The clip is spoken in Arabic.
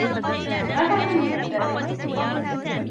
ماذا تنوي بذلك؟